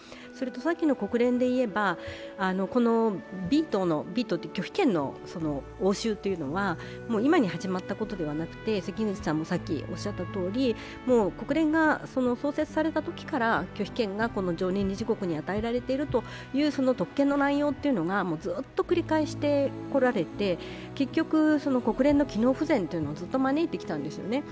さっきの国連でいえばこの拒否権の応酬というのは今に始まったことではなくて、国連が創設されたときから拒否権が常任理事国に与えられている特権の内容がずっと繰り返してこられて結局、国連の機能不全というのをずっと招いてきたんですね